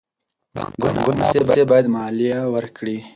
بانکونه او موسسې باید مالیه ورکړي.